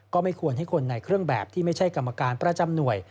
ก็ไม่ควรให้คนในเครื่องแบบที่ไม่ใช่กรรมการประจำหน่วย